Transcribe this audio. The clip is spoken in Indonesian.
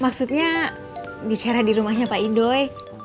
maksudnya bicara di rumahnya pak idoi